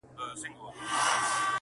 ورور به وژني د غلیم نوم یې په سر دی-